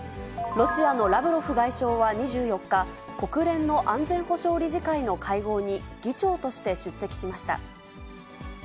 ロシアのラブロフ外相は２４日、国連の安全保障理事会の会合に議長として出席しました。